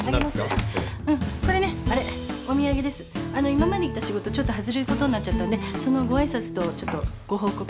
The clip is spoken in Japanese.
今までいた仕事ちょっと外れることになっちゃったんでそのご挨拶とちょっとご報告？